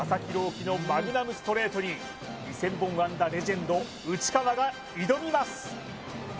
希のマグナムストレートに２０００本安打レジェンド内川が挑みます